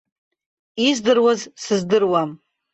Издыруаз сыздыруам.